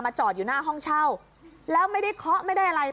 จอดอยู่หน้าห้องเช่าแล้วไม่ได้เคาะไม่ได้อะไร